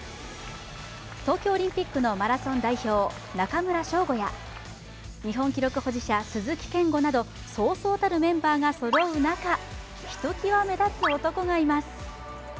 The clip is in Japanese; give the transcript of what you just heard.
東京オリンピックのマラソン代表、中村匠吾や日本記録保持者鈴木健吾など、そうそうたるメンバーがそろう中ひときわ目立つ男がいます。